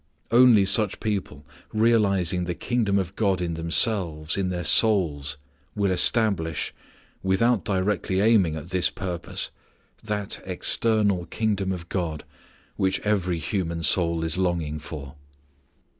Only such people realizing the Kingdom of God in themselves, in their souls, will establish, without directly aiming at this purpose, that external Kingdom of God which every human soul is longing for.